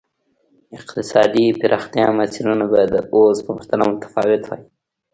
اقتصادي پراختیا مسیرونه به د اوس په پرتله متفاوت وای.